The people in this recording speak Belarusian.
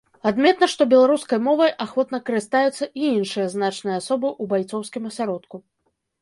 Адметна, што беларускай мовай ахвотна карыстаюцца і іншыя значныя асобы ў байцоўскім асяродку.